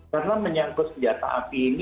karena menyangkut senjata api ini